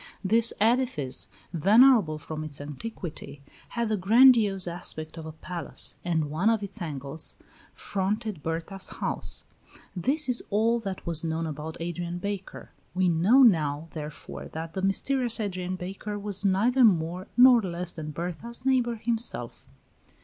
This edifice, venerable from its antiquity, had the grandiose aspect of a palace, and one of its angles fronted Berta's house. This is all that was known about Adrian Baker. We now know, therefore, that the mysterious Adrian Baker was neither more nor less than Berta's neighbor himself.